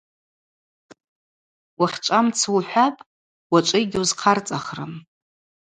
Уахьчӏва мцы ухӏвапӏ, уачӏвы йгьуызхъарцӏахрым.